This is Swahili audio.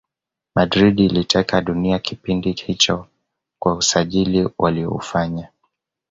Madrid iliteka dunia kipindi hicho kwa usajiri waliyoufanya